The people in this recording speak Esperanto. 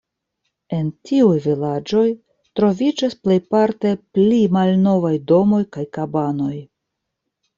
En tiuj vilaĝoj troviĝas plejparte pli malnovaj domoj kaj kabanoj.